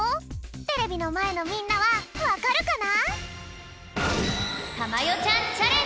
テレビのまえのみんなはわかるかな？